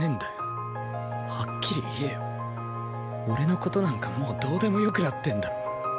俺の事なんかもうどうでもよくなってるんだろ？